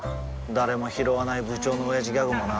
誰もひろわない部長のオヤジギャグもな